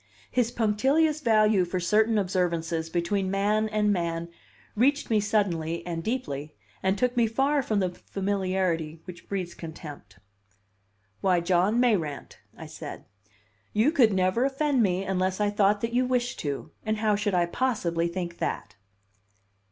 His punctilious value for certain observances between man and man reached me suddenly and deeply, and took me far from the familiarity which breeds contempt. "Why, John Mayrant," I said, "you could never offend me unless I thought that you wished to, and how should I possibly think that?"